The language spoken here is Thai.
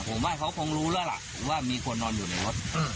ผมว่าเขาคงรู้แล้วล่ะว่ามีคนนอนอยู่ในรถ